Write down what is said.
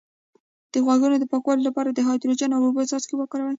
د غوږ د پاکوالي لپاره د هایدروجن او اوبو څاڅکي وکاروئ